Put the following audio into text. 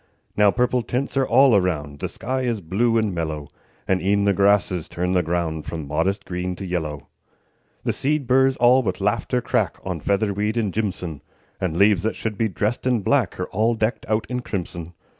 Now purple tints are all around; The sky is blue and mellow; And e'en the grasses turn the ground From modest green to yellow. The seed burrs all with laughter crack On featherweed and jimson; And leaves that should be dressed in black Are all decked out in crimson.